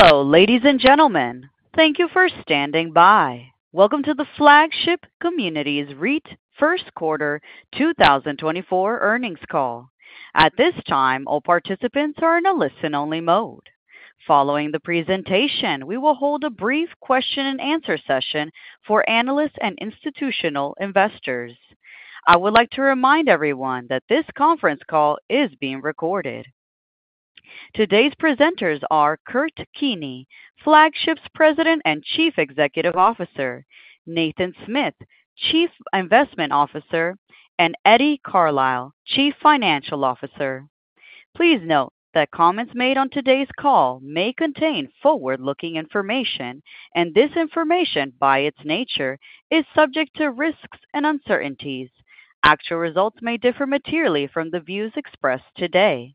Hello, ladies and gentlemen. Thank you for standing by. Welcome to the Flagship Communities REIT Q1 2024 Earnings Call. At this time, all participants are in a listen-only mode. Following the presentation, we will hold a brief question-and-answer session for analysts and institutional investors. I would like to remind everyone that this conference call is being recorded. Today's presenters are Kurt Keeney, Flagship's President and Chief Executive Officer; Nathan Smith, Chief Investment Officer; and Eddie Carlisle, Chief Financial Officer. Please note that comments made on today's call may contain forward-looking information, and this information, by its nature, is subject to risks and uncertainties. Actual results may differ materially from the views expressed today.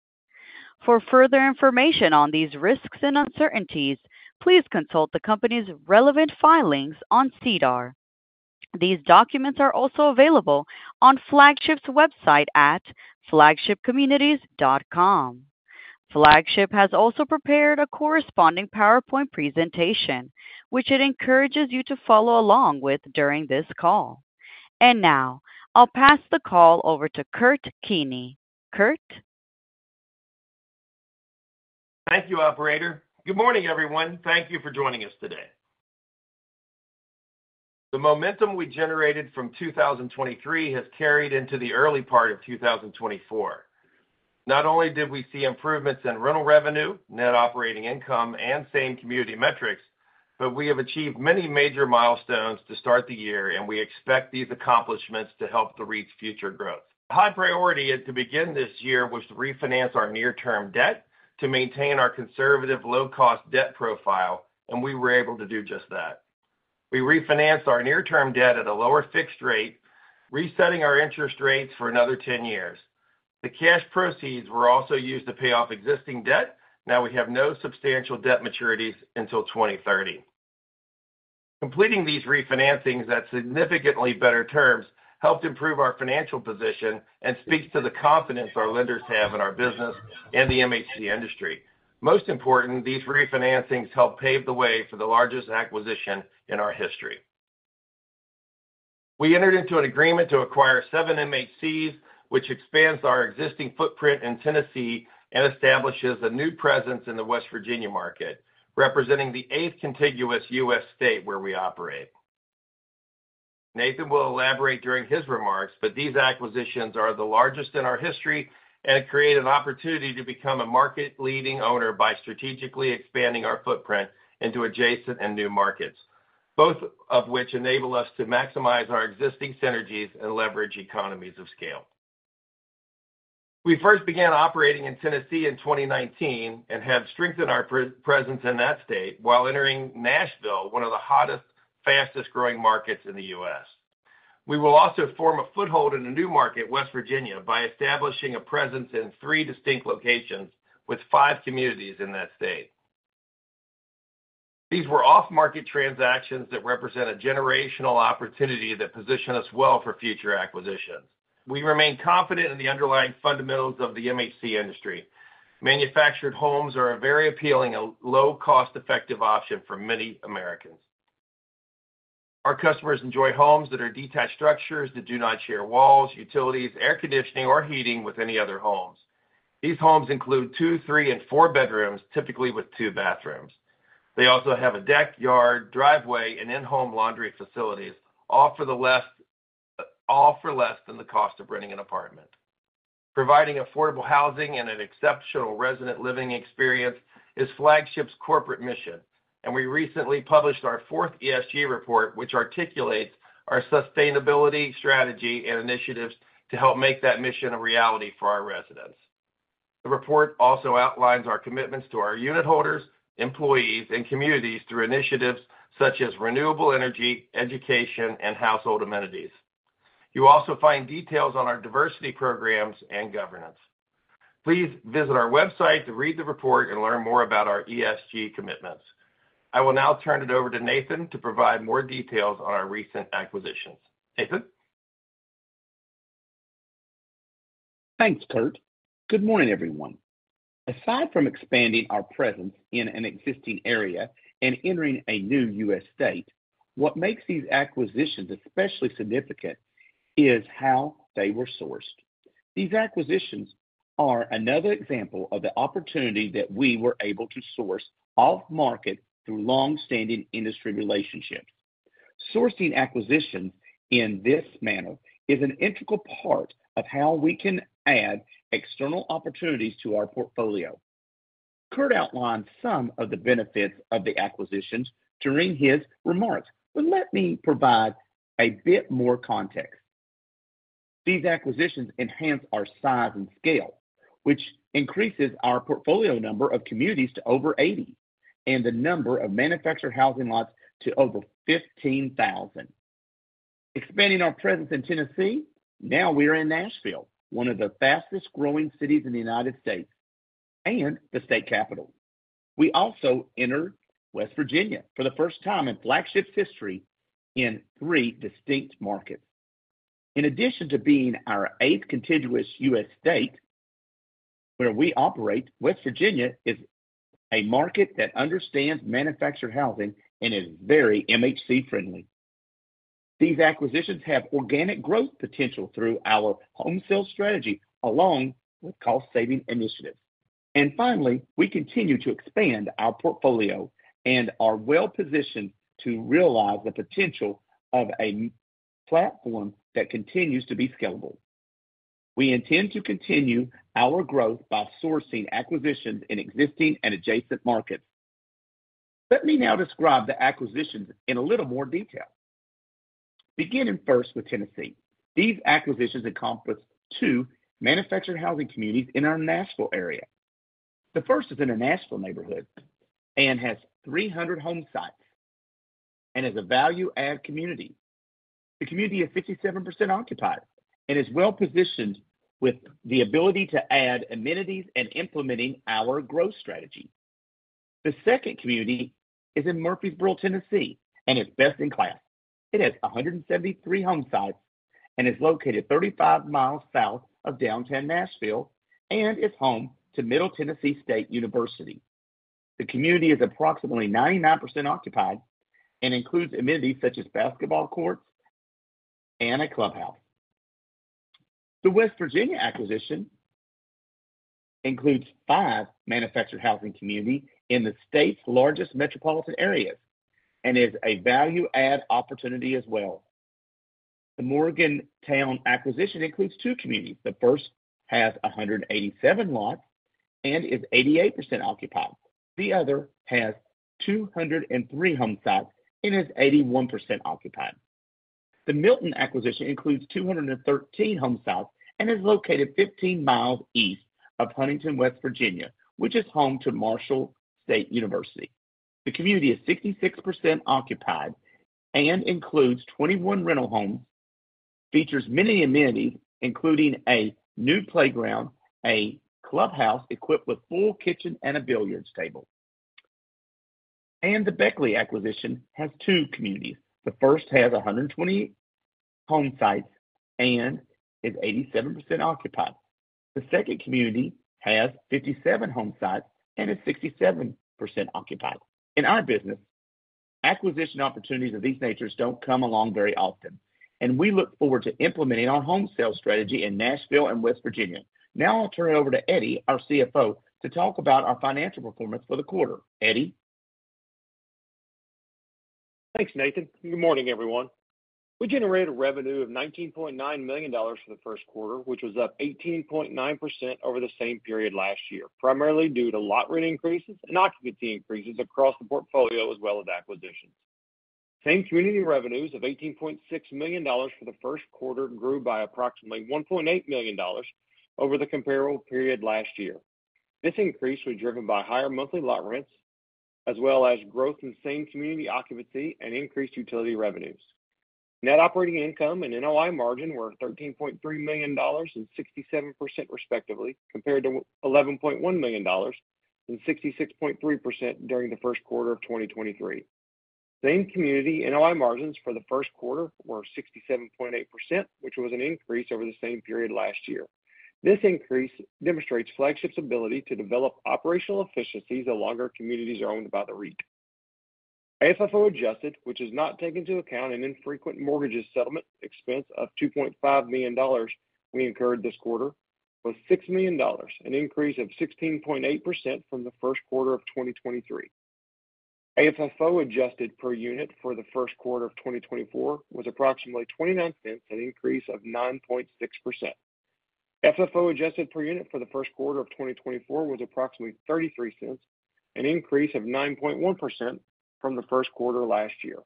For further information on these risks and uncertainties, please consult the company's relevant filings on SEDAR. These documents are also available on Flagship's website at flagshipcommunities.com. Flagship has also prepared a corresponding PowerPoint presentation, which it encourages you to follow along with during this call. And now, I'll pass the call over to Kurt Keeney. Kurt? Thank you, Operator. Good morning, everyone. Thank you for joining us today. The momentum we generated from 2023 has carried into the early part of 2024. Not only did we see improvements in rental revenue, net operating income, and same community metrics, but we have achieved many major milestones to start the year, and we expect these accomplishments to help the REIT's future growth. High priority to begin this year was to refinance our near-term debt to maintain our conservative, low-cost debt profile, and we were able to do just that. We refinanced our near-term debt at a lower fixed rate, resetting our interest rates for another 10 years. The cash proceeds were also used to pay off existing debt. Now we have no substantial debt maturities until 2030. Completing these refinancings at significantly better terms helped improve our financial position and speaks to the confidence our lenders have in our business and the MHC industry. Most important, these refinancings helped pave the way for the largest acquisition in our history. We entered into an agreement to acquire seven MHCs, which expands our existing footprint in Tennessee and establishes a new presence in the West Virginia market, representing the eighth contiguous U.S. state where we operate. Nathan will elaborate during his remarks, but these acquisitions are the largest in our history and create an opportunity to become a market-leading owner by strategically expanding our footprint into adjacent and new markets, both of which enable us to maximize our existing synergies and leverage economies of scale. We first began operating in Tennessee in 2019 and have strengthened our presence in that state while entering Nashville, one of the hottest, fastest-growing markets in the U.S. We will also form a foothold in a new market, West Virginia, by establishing a presence in three distinct locations with five communities in that state. These were off-market transactions that represent a generational opportunity that positioned us well for future acquisitions. We remain confident in the underlying fundamentals of the MHC industry. Manufactured homes are a very appealing and low-cost-effective option for many Americans. Our customers enjoy homes that are detached structures that do not share walls, utilities, air conditioning, or heating with any other homes. These homes include two, three, and four bedrooms, typically with two bathrooms. They also have a deck, yard, driveway, and in-home laundry facilities, all for less than the cost of renting an apartment. Providing affordable housing and an exceptional resident living experience is Flagship's corporate mission, and we recently published our fourth ESG report, which articulates our sustainability strategy and initiatives to help make that mission a reality for our residents. The report also outlines our commitments to our unit holders, employees, and communities through initiatives such as renewable energy, education, and household amenities. You also find details on our diversity programs and governance. Please visit our website to read the report and learn more about our ESG commitments. I will now turn it over to Nathan to provide more details on our recent acquisitions. Nathan? Thanks, Kurt. Good morning, everyone. Aside from expanding our presence in an existing area and entering a new U.S. state, what makes these acquisitions especially significant is how they were sourced. These acquisitions are another example of the opportunity that we were able to source off-market through longstanding industry relationships. Sourcing acquisitions in this manner is an integral part of how we can add external opportunities to our portfolio. Kurt outlined some of the benefits of the acquisitions during his remarks, but let me provide a bit more context. These acquisitions enhance our size and scale, which increases our portfolio number of communities to over 80 and the number of manufactured housing lots to over 15,000. Expanding our presence in Tennessee, now we are in Nashville, one of the fastest-growing cities in the United States and the state capital. We also entered West Virginia for the first time in Flagship's history in three distinct markets. In addition to being our eighth contiguous U.S. state where we operate, West Virginia is a market that understands manufactured housing and is very MHC-friendly. These acquisitions have organic growth potential through our home sale strategy along with cost-saving initiatives. Finally, we continue to expand our portfolio and are well-positioned to realize the potential of a platform that continues to be scalable. We intend to continue our growth by sourcing acquisitions in existing and adjacent markets. Let me now describe the acquisitions in a little more detail. Beginning first with Tennessee, these acquisitions encompass two manufactured housing communities in our Nashville area. The first is in a Nashville neighborhood and has 300 home sites and is a value-add community. The community is 57% occupied and is well-positioned with the ability to add amenities and implementing our growth strategy. The second community is in Murfreesboro, Tennessee, and is best in class. It has 173 home sites and is located 35 miles south of downtown Nashville and is home to Middle Tennessee State University. The community is approximately 99% occupied and includes amenities such as basketball courts and a clubhouse. The West Virginia acquisition includes five manufactured housing communities in the state's largest metropolitan areas and is a value-add opportunity as well. The Morgantown acquisition includes two communities. The first has 187 lots and is 88% occupied. The other has 203 home sites and is 81% occupied. The Milton acquisition includes 213 home sites and is located 15 miles east of Huntington, West Virginia, which is home to Marshall University. The community is 66% occupied and includes 21 rental homes, features many amenities, including a new playground, a clubhouse equipped with a full kitchen and a billiards table. The Beckley acquisition has two communities. The first has 128 home sites and is 87% occupied. The second community has 57 home sites and is 67% occupied. In our business, acquisition opportunities of these natures don't come along very often, and we look forward to implementing our home sale strategy in Nashville and West Virginia. Now I'll turn it over to Eddie, our CFO, to talk about our financial performance for the quarter. Eddie? Thanks, Nathan. Good morning, everyone. We generated revenue of $19.9 million for the Q1, which was up 18.9% over the same period last year, primarily due to lot rent increases and occupancy increases across the portfolio as well as acquisitions. Same community revenues of $18.6 million for the Q1 grew by approximately $1.8 million over the comparable period last year. This increase was driven by higher monthly lot rents as well as growth in same community occupancy and increased utility revenues. Net operating income and NOI margin were $13.3 million and 67% respectively, compared to $11.1 million and 66.3% during the Q1 of 2023. Same community NOI margins for the Q1 were 67.8%, which was an increase over the same period last year. This increase demonstrates Flagship's ability to develop operational efficiencies the longer communities are owned by the REIT. FFO-adjusted, which has not taken into account an infrequent mortgage settlement expense of $2.5 million we incurred this quarter, was $6 million, an increase of 16.8% from the Q1 of 2023. FFO-adjusted per unit for the Q1 of 2024 was approximately $0.29, an increase of 9.6%. FFO-adjusted per unit for the Q1 of 2024 was approximately $0.33, an increase of 9.1% from the Q1 last year.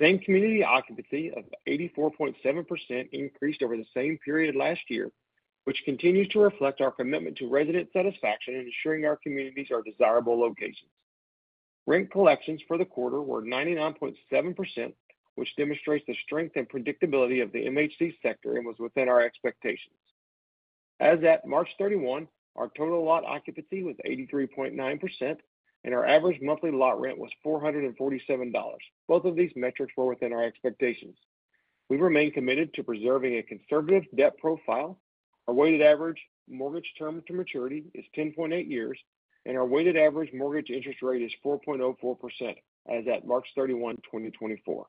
Same Community occupancy of 84.7% increased over the same period last year, which continues to reflect our commitment to resident satisfaction in ensuring our communities are desirable locations. Rent collections for the quarter were 99.7%, which demonstrates the strength and predictability of the MHC sector and was within our expectations. As at March 31, our total lot occupancy was 83.9%, and our average monthly lot rent was $447. Both of these metrics were within our expectations. We remain committed to preserving a conservative debt profile. Our weighted average mortgage term to maturity is 10.8 years, and our weighted average mortgage interest rate is 4.04% as at March 31, 2024.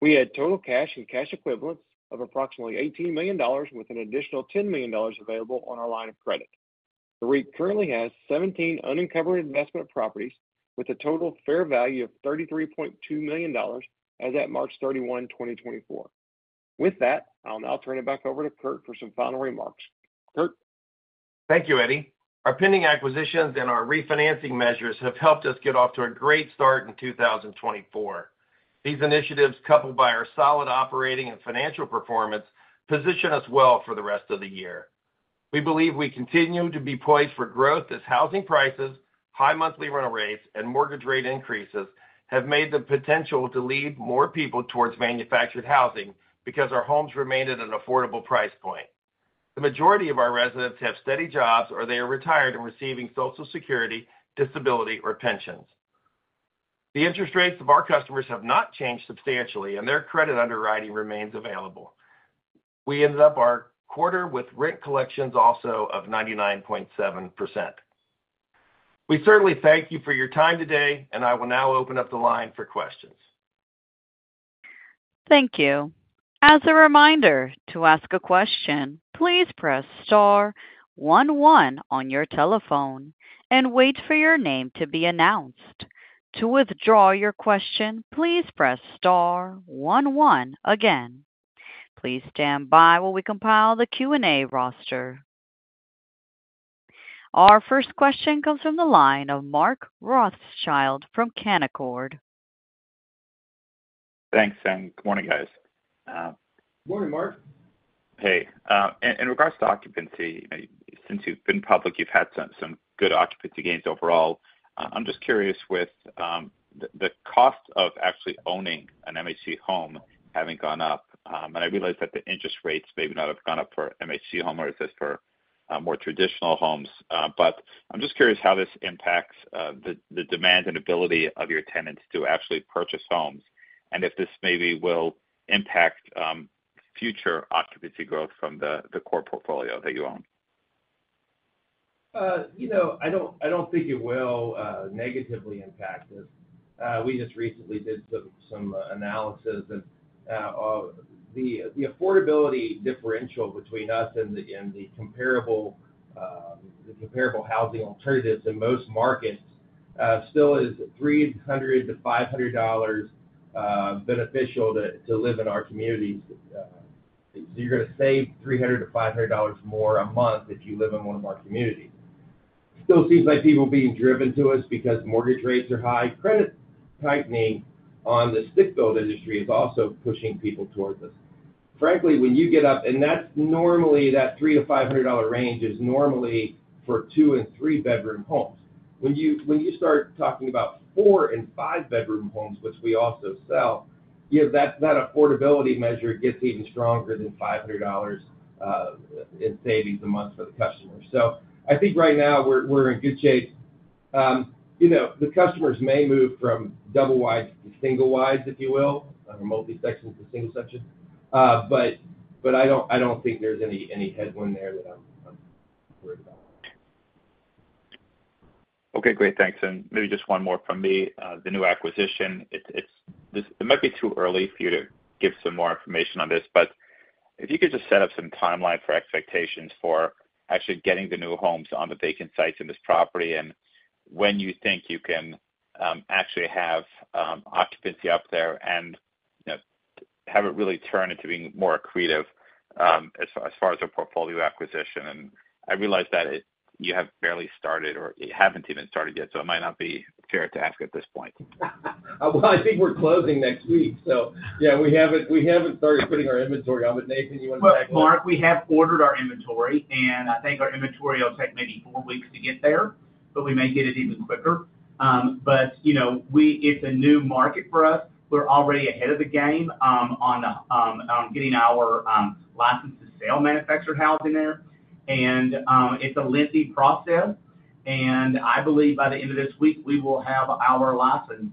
We had total cash and cash equivalents of approximately $18 million with an additional $10 million available on our line of credit. The REIT currently has 17 uncovered investment properties with a total fair value of $33.2 million as at March 31, 2024. With that, I'll now turn it back over to Kurt for some final remarks. Kurt? Thank you, Eddie. Our pending acquisitions and our refinancing measures have helped us get off to a great start in 2024. These initiatives, coupled by our solid operating and financial performance, position us well for the rest of the year. We believe we continue to be poised for growth as housing prices, high monthly rental rates, and mortgage rate increases have made the potential to lead more people towards manufactured housing because our homes remain at an affordable price point. The majority of our residents have steady jobs or they are retired and receiving Social Security, disability, or pensions. The interest rates of our customers have not changed substantially, and their credit underwriting remains available. We ended up our quarter with rent collections also of 99.7%. We certainly thank you for your time today, and I will now open up the line for questions. Thank you. As a reminder, to ask a question, please press star one one on your telephone and wait for your name to be announced. To withdraw your question, please press star one one again. Please stand by while we compile the Q&A roster. Our first question comes from the line of Mark Rothschild from Canaccord. Thanks, and good morning, guys. Good morning, Mark. Hey. In regards to occupancy, since you've been public, you've had some good occupancy gains overall. I'm just curious with the cost of actually owning an MHC home having gone up. And I realize that the interest rates maybe not have gone up for MHC homeowners as for more traditional homes, but I'm just curious how this impacts the demand and ability of your tenants to actually purchase homes and if this maybe will impact future occupancy growth from the core portfolio that you own. I don't think it will negatively impact us. We just recently did some analysis, and the affordability differential between us and the comparable housing alternatives in most markets still is $300-$500 beneficial to live in our communities. So you're going to save $300-$500 more a month if you live in one of our communities. It still seems like people being driven to us because mortgage rates are high. Credit tightening on the stick-built industry is also pushing people towards us. Frankly, when you get up and that's normally that $300-$500 range is normally for two and three-bedroom homes. When you start talking about four and five-bedroom homes, which we also sell, that affordability measure gets even stronger than $500 in savings a month for the customer. So I think right now we're in good shape. The customers may move from double-wides to single-wides, if you will, or multi-sections to single sections, but I don't think there's any headwind there that I'm worried about. Okay, great. Thanks. Maybe just one more from me. The new acquisition, it might be too early for you to give some more information on this, but if you could just set up some timeline for expectations for actually getting the new homes on the vacant sites in this property and when you think you can actually have occupancy up there and have it really turn into being more accretive as far as a portfolio acquisition. And I realize that you have barely started or haven't even started yet, so it might not be fair to ask at this point. Well, I think we're closing next week, so yeah, we haven't started putting our inventory on, but Nathan, you want to tag along? Well, Mark, we have ordered our inventory, and I think our inventory will take maybe four weeks to get there, but we may get it even quicker. But it's a new market for us. We're already ahead of the game on getting our license to sell manufactured housing there, and it's a lengthy process. And I believe by the end of this week, we will have our license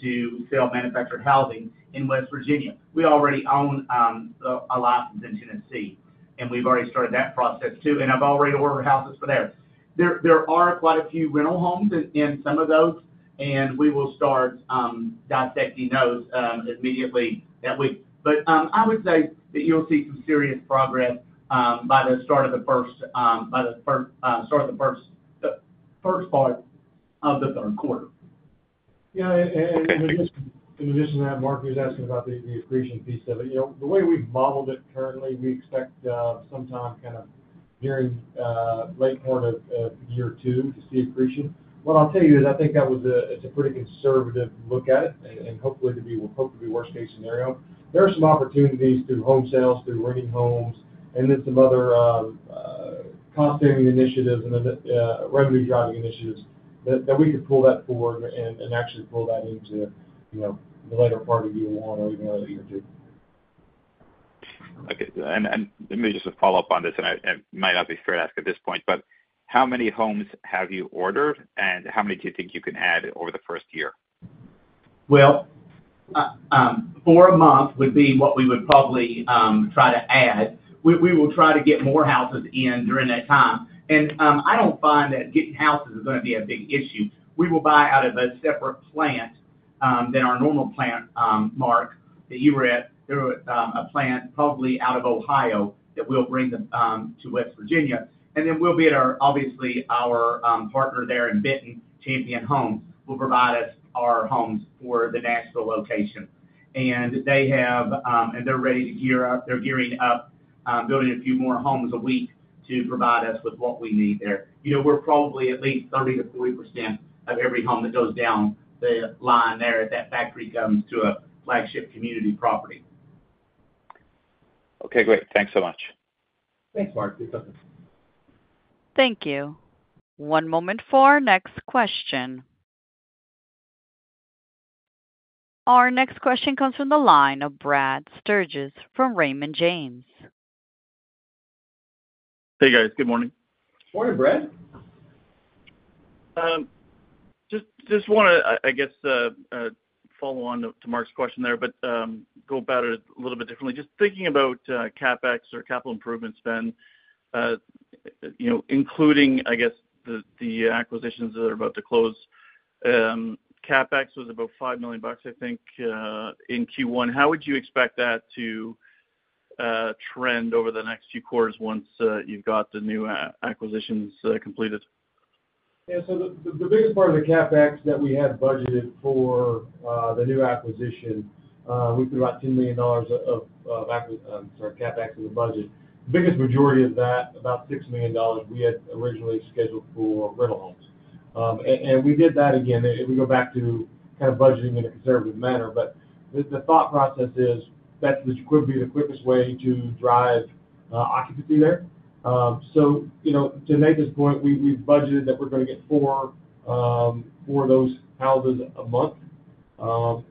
to sell manufactured housing in West Virginia. We already own a license in Tennessee, and we've already started that process too, and I've already ordered houses for there. There are quite a few rental homes in some of those, and we will start dissecting those immediately that week. But I would say that you'll see some serious progress by the start of the first part of the Q3. Yeah. And in addition to that, Mark, you were asking about the accretion piece of it. The way we've modeled it currently, we expect sometime kind of during late part of year two to see accretion. What I'll tell you is I think it's a pretty conservative look at it and hopefully we'll hope to be worst-case scenario. There are some opportunities through home sales, through renting homes, and then some other cost-saving initiatives and revenue-driving initiatives that we could pull that forward and actually pull that into the later part of year one or even early year two. Okay. And maybe just a follow-up on this, and it might not be fair to ask at this point, but how many homes have you ordered, and how many do you think you can add over the first year? Well, four a month would be what we would probably try to add. We will try to get more houses in during that time. And I don't find that getting houses is going to be a big issue. We will buy out of a separate plant than our normal plant, Mark, that you were at. There was a plant probably out of Ohio that we'll bring to West Virginia. And then we'll be at our obviously, our partner there in Benton, Champion Homes, will provide us our homes for the Nashville location. And they have and they're ready to gear up. They're gearing up, building a few more homes a week to provide us with what we need there. We're probably at least 30%-40% of every home that goes down the line there if that factory comes to a Flagship community property. Okay, great. Thanks so much. Thanks, Mark. You're welcome. Thank you. One moment for our next question. Our next question comes from the line of Brad Sturges from Raymond James. Hey, guys. Good morning. Morning, Brad. Just want to, I guess, follow on to Mark's question there, but go about it a little bit differently. Just thinking about CapEx or capital improvement spend, including, I guess, the acquisitions that are about to close. CapEx was about $5 million, I think, in Q1. How would you expect that to trend over the next few quarters once you've got the new acquisitions completed? Yeah. So the biggest part of the CapEx that we had budgeted for the new acquisition, we put about $10 million of CapEx in the budget. The biggest majority of that, about $6 million, we had originally scheduled for rental homes. We did that again. If we go back to kind of budgeting in a conservative manner, but the thought process is that would be the quickest way to drive occupancy there. So to Nathan's point, we've budgeted that we're going to get four of those houses a month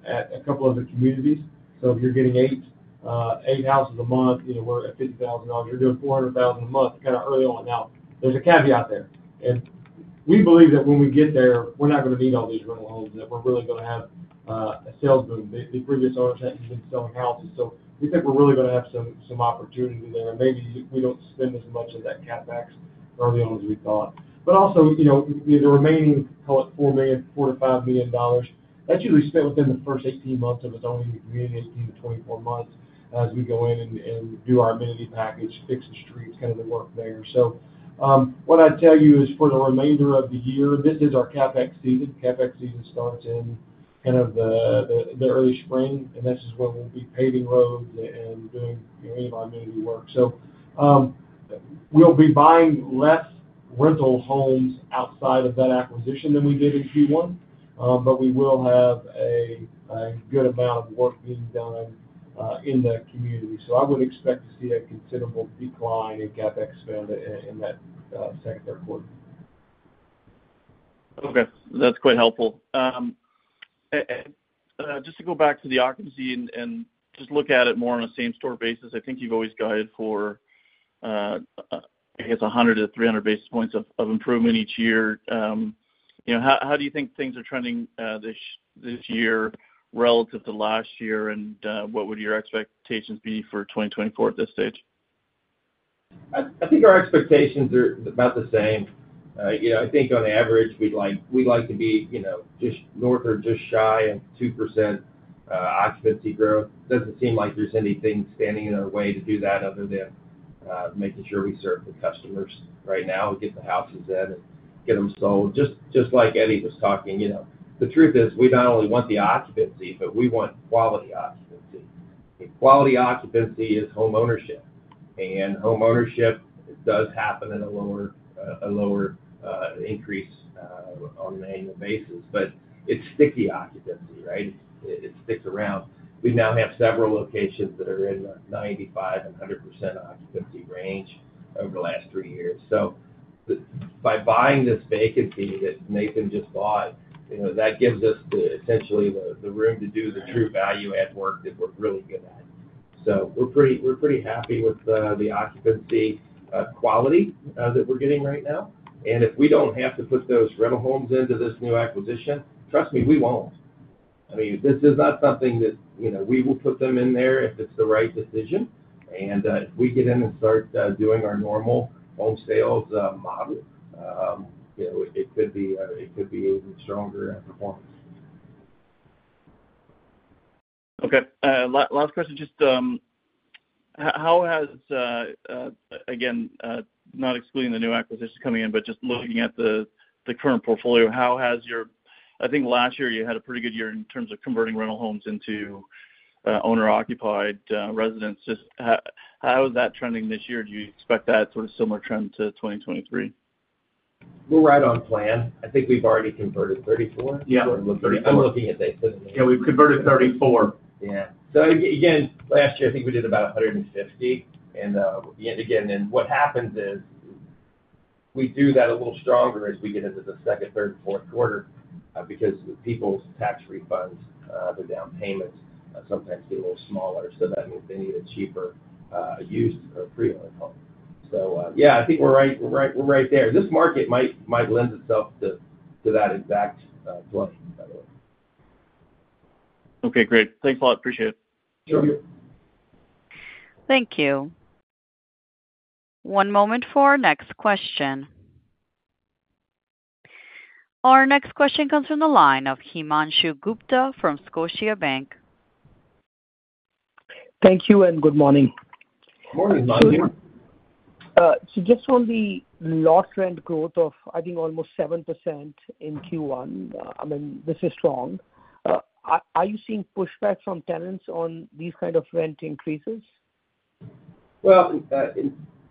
at a couple of the communities. So if you're getting eight houses a month, we're at $50,000. You're doing $400,000 a month, kind of early on. Now, there's a caveat there. We believe that when we get there, we're not going to need all these rental homes, that we're really going to have a sales boom. The previous owners hadn't been selling houses. So we think we're really going to have some opportunity there, and maybe we don't spend as much of that CapEx early on as we thought. But also, the remaining, call it, $4 million-$5 million, that's usually spent within the first 18 months of us owning the community, 18-24 months, as we go in and do our amenity package, fix the streets, kind of the work there. So what I'd tell you is for the remainder of the year, this is our CapEx season. CapEx season starts in kind of the early spring, and this is when we'll be paving roads and doing any of our amenity work. So we'll be buying less rental homes outside of that acquisition than we did in Q1, but we will have a good amount of work being done in the community. I would expect to see a considerable decline in CapEx spend in that Q2, Q3. Okay. That's quite helpful. Just to go back to the occupancy and just look at it more on a same-store basis, I think you've always guided for, I guess, 100-300 basis points of improvement each year. How do you think things are trending this year relative to last year, and what would your expectations be for 2024 at this stage? I think our expectations are about the same. I think on average, we'd like to be just north or just shy of 2% occupancy growth. It doesn't seem like there's anything standing in our way to do that other than making sure we serve the customers right now and get the houses in and get them sold. Just like Eddie was talking, the truth is we not only want the occupancy, but we want quality occupancy. Quality occupancy is home ownership, and home ownership does happen at a lower increase on an annual basis. But it's sticky occupancy, right? It sticks around. We now have several locations that are in the 95% and 100% occupancy range over the last three years. So by buying this vacancy that Nathan just bought, that gives us essentially the room to do the true value-add work that we're really good at. So we're pretty happy with the occupancy quality that we're getting right now. And if we don't have to put those rental homes into this new acquisition, trust me, we won't. I mean, this is not something that we will put them in there if it's the right decision. And if we get in and start doing our normal home sales model, it could be even stronger performance. Okay. Last question, just how has—again, not excluding the new acquisition coming in, but just looking at the current portfolio—how has your—I think last year, you had a pretty good year in terms of converting rental homes into owner-occupied residences. How is that trending this year? Do you expect that sort of similar trend to 2023? We're right on plan. I think we've already converted 34. Yeah? We're looking at 34. I'm looking at this. Yeah, we've converted 34. Yeah. So again, last year, I think we did about 150. And again, then what happens is we do that a little stronger as we get into the Q2, Q3, and Q4 because people's tax refunds or down payments sometimes get a little smaller, so that means they need a cheaper used or pre-owned home. So yeah, I think we're right there. This market might lend itself to that exact plan, by the way. Okay, great. Thanks a lot. Appreciate it. Sure. Thank you. One moment for our next question. Our next question comes from the line of Himanshu Gupta from Scotiabank. Thank you and good morning. Morning, Himanshu. Just on the lot rent growth of, I think, almost 7% in Q1, I mean, this is strong. Are you seeing pushback from tenants on these kind of rent increases? Well,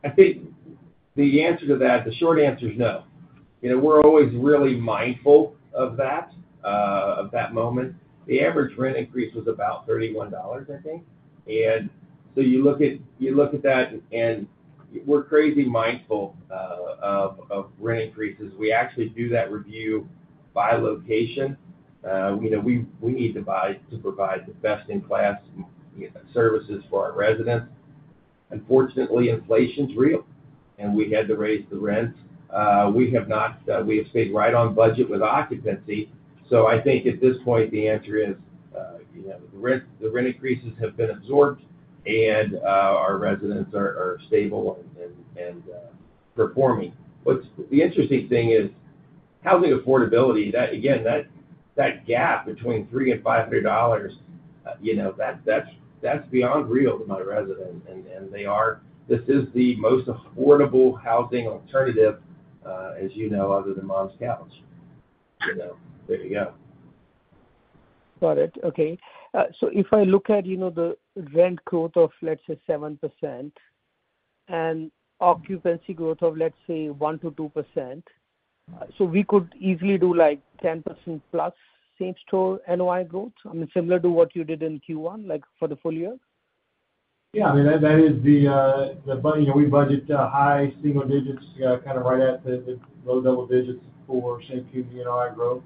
I think the answer to that, the short answer is no. We're always really mindful of that moment. The average rent increase was about $31, I think. And so you look at that, and we're crazy mindful of rent increases. We actually do that review by location. We need to provide the best-in-class services for our residents. Unfortunately, inflation's real, and we had to raise the rent. We have stayed right on budget with occupancy. So I think at this point, the answer is the rent increases have been absorbed, and our residents are stable and performing. But the interesting thing is housing affordability, again, that gap between $300-$500, that's beyond real to my residents. And this is the most affordable housing alternative, as you know, other than Mom's couch. There you go. Got it. Okay. So if I look at the rent growth of, let's say, 7% and occupancy growth of, let's say, 1%-2%, so we could easily do 10%+ same-store NOI growth, I mean, similar to what you did in Q1 for the full year? Yeah. I mean, that is what we budget high single digits kind of right at the low double digits for same-community NOI growth.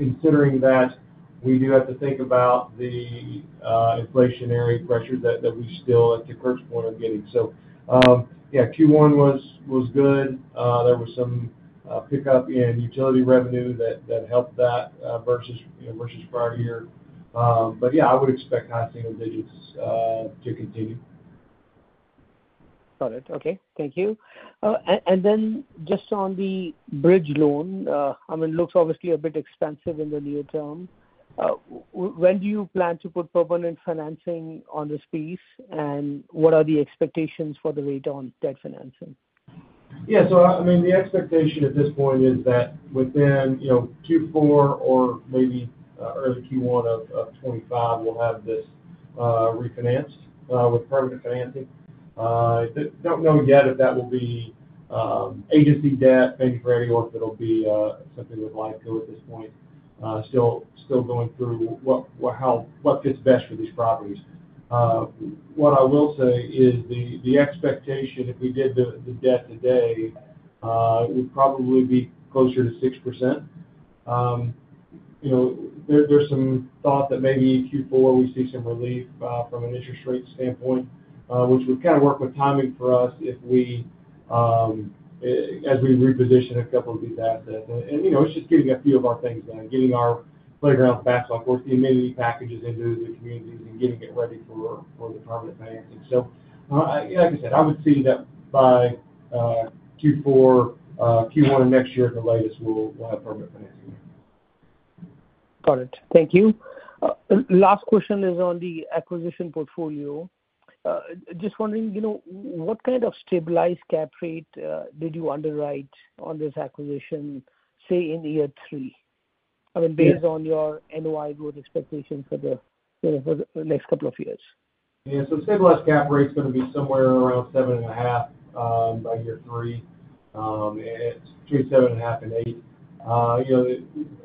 Considering that, we do have to think about the inflationary pressures that we still, at the current point, are getting. So yeah, Q1 was good. There was some pickup in utility revenue that helped that versus prior year. But yeah, I would expect high single digits to continue. Got it. Okay. Thank you. And then just on the bridge loan, I mean, it looks obviously a bit expensive in the near term. When do you plan to put permanent financing on this piece, and what are the expectations for the rate on debt financing? Yeah. So I mean, the expectation at this point is that within Q4 or maybe early Q1 of 2025, we'll have this refinanced with permanent financing. Don't know yet if that will be agency debt, Fannie or Freddie, or if it'll be something with LifeCo at this point, still going through what fits best for these properties. What I will say is the expectation, if we did the debt today, it would probably be closer to 6%. There's some thought that maybe in Q4, we see some relief from an interest rate standpoint, which would kind of work with timing for us as we reposition a couple of these assets. And it's just getting a few of our things done, getting our playgrounds back to like worth the amenity packages into the communities and getting it ready for the permanent financing. So like I said, I would see that by Q4, Q1 of next year at the latest, we'll have permanent financing there. Got it. Thank you. Last question is on the acquisition portfolio. Just wondering, what kind of stabilized cap rate did you underwrite on this acquisition, say, in year three? I mean, based on your NOI growth expectations for the next couple of years. Yeah. So stabilized cap rate's going to be somewhere around 7.5 by year three, between 7.5 and eight.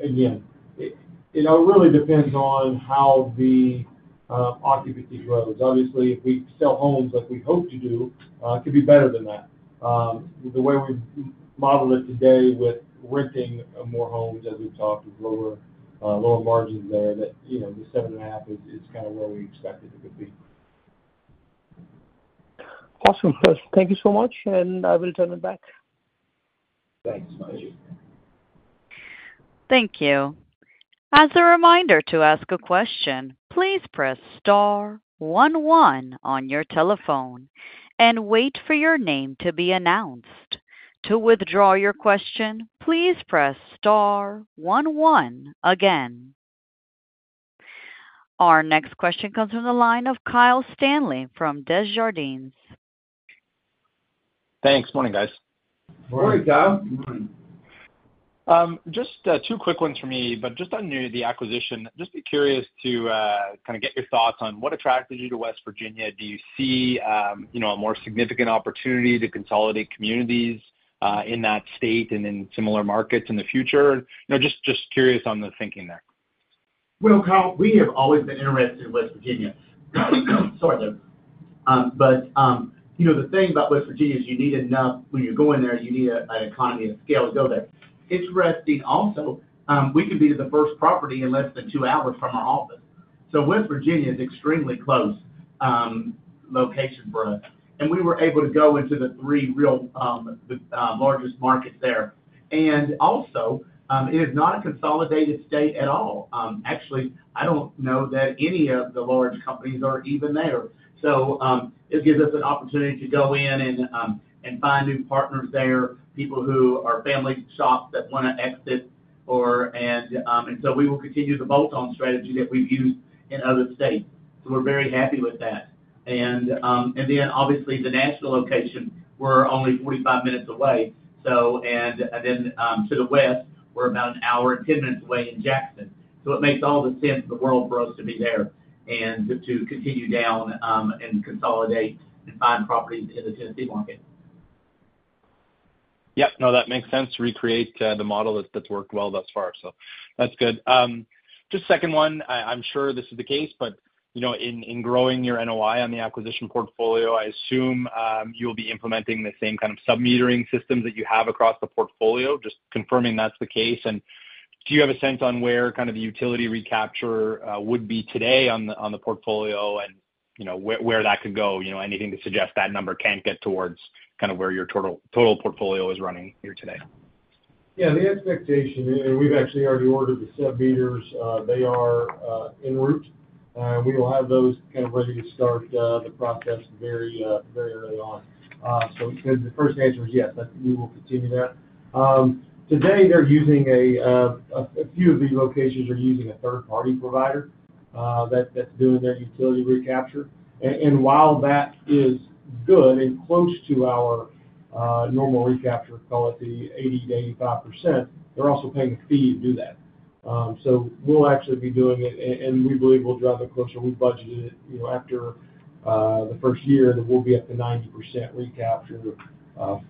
Again, it really depends on how the occupancy grows. Obviously, if we sell homes like we hope to do, it could be better than that. The way we've modeled it today with renting more homes, as we've talked, with lower margins there, the 7.5 is kind of where we expect it to be. Awesome. Thank you so much, and I will turn it back. Thanks, Himanshu. Thank you. As a reminder to ask a question, please press star one one on your telephone and wait for your name to be announced. To withdraw your question, please press star one one again. Our next question comes from the line of Kyle Stanley from Desjardins. Thanks. Morning, guys. Morning, Kyle. Good morning. Just two quick ones for me, but just on the acquisition. Just be curious to kind of get your thoughts on what attracted you to West Virginia. Do you see a more significant opportunity to consolidate communities in that state and in similar markets in the future? Just curious on the thinking there. Well, Kyle, we have always been interested in West Virginia. Sorry, though. But the thing about West Virginia is you need enough when you're going there, you need an economy of scale to go there. Interesting also, we can be to the first property in less than two hours from our office. So West Virginia is an extremely close location for us. We were able to go into the three real largest markets there. Also, it is not a consolidated state at all. Actually, I don't know that any of the large companies are even there. So it gives us an opportunity to go in and find new partners there, people who are family shops that want to exit or and so we will continue the bolt-on strategy that we've used in other states. So we're very happy with that. Then obviously, the Nashville location, we're only 45 minutes away. Then to the west, we're about an hour and 10 minutes away in Jackson. So it makes all the sense in the world for us to be there and to continue down and consolidate and find properties in the Tennessee market. Yep. No, that makes sense. Recreate the model that's worked well thus far, so that's good. Just second one. I'm sure this is the case, but in growing your NOI on the acquisition portfolio, I assume you'll be implementing the same kind of submetering systems that you have across the portfolio, just confirming that's the case. And do you have a sense on where kind of the utility recapture would be today on the portfolio and where that could go? Anything to suggest that number can't get towards kind of where your total portfolio is running here today? Yeah, the expectation and we've actually already ordered the submeters. They are en route. We will have those kind of ready to start the process very early on. So the first answer is yes, we will continue that. Today, a few of the locations are using a third-party provider that's doing their utility recapture. And while that is good and close to our normal recapture, call it the 80%-85%, they're also paying a fee to do that. So we'll actually be doing it, and we believe we'll drive it closer. We budgeted it after the first year that we'll be up to 90% recapture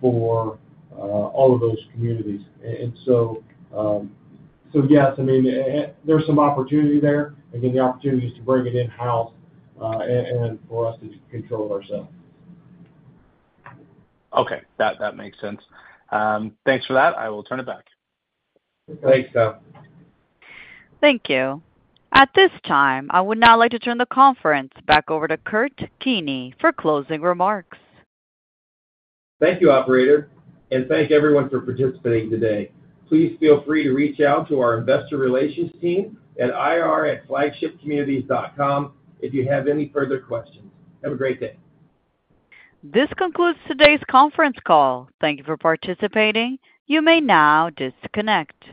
for all of those communities. And so yes, I mean, there's some opportunity there. Again, the opportunity is to bring it in-house and for us to control it ourselves. Okay. That makes sense. Thanks for that. I will turn it back. Thanks, Kyle. Thank you. At this time, I would now like to turn the conference back over to Kurt Keeney for closing remarks. Thank you, operator, and thank everyone for participating today. Please feel free to reach out to our investor relations team at ir@flagshipcommunities.com if you have any further questions. Have a great day. This concludes today's conference call. Thank you for participating. You may now disconnect.